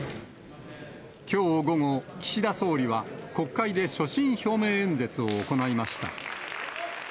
きょう午後、岸田総理は国会で所信表明演説を行いました。